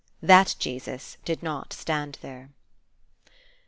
That Jesus did not stand there.